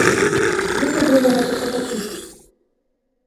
Мы табе за гэта табакі купім.